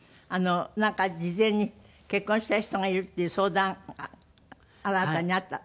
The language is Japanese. なんか事前に結婚したい人がいるっていう相談あなたにあった？